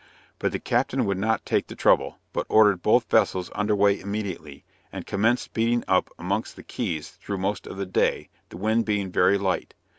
But the captain would not take the trouble, but ordered both vessels under way immediately, and commenced beating up amongst the Keys through most of the day, the wind being very light.